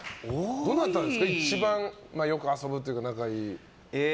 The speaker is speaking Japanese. どなたが一番よく遊ぶというか仲がいい。